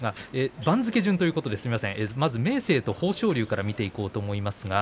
番付順ということでまずは明生と豊昇龍から見ていこうと思います。